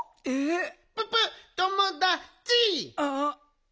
えっ。